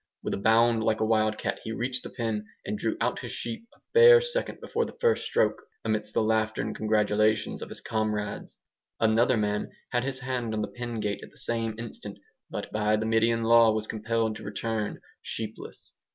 With a bound like a wild cat, he reached the pen and drew out his sheep a bare second before the first stroke, amidst the laughter and congratulations of his comrades. Another man had his hand on the pen gate at the same instant, but by the Median law was compelled to return sheepless.